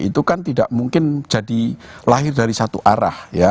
itu kan tidak mungkin jadi lahir dari satu arah ya